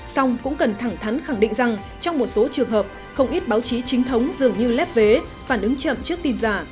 xong cũng cần thẳng thắn khẳng định rằng trong một số trường hợp không ít báo chí chính thống dường như lép vế phản ứng chậm trước tin giả